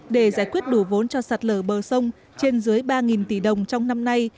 để giải quyết đủ vốn cho sạt lở bờ sông trên dưới ba tỷ đồng trong năm nay